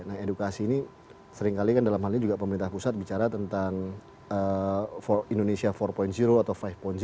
nah edukasi ini seringkali kan dalam hal ini juga pemerintah pusat bicara tentang indonesia empat atau lima empat